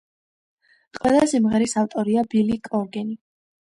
ყველა სიმღერის ავტორია ბილი კორგენი.